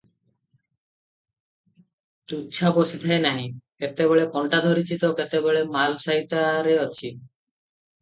ତୁଛା ବସି ଥାଏ ନାହିଁ, କେତେବେଳେ କଣ୍ଟା ଧରିଛି ତ, କେତେବେଳେ ମାଲ ସାଇତାରେ ଅଛି ।